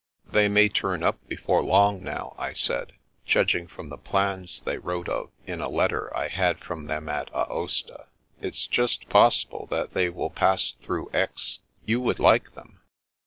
They may turn up before long now," I said, judging from the plans they wrote of in a letter I had from them at Aosta. It's just possible that they will pass through Aix. You would like them."